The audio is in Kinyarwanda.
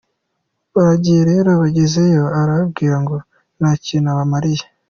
baragiye rero bagezeyo arababwira ngo nta kintu abamariye.